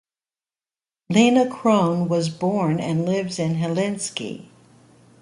Leena Krohn was born and lives in Helsinki.